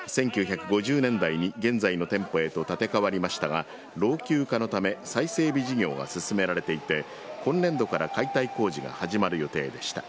１９５０年代に現在の店舗へと建て替わりましたが、老朽化のため再整備事業が進められていて、今年度から解体工事が始まる予定でした。